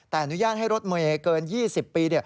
แต่อนุญาตให้รถเมย์เกิน๒๐ปี